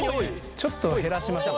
ちょっと減らしましょう。